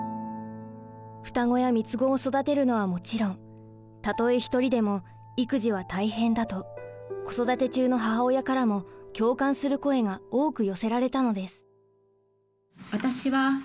双子や三つ子を育てるのはもちろんたとえ一人でも育児は大変だと子育て中の母親からも共感する声が多く寄せられたのです。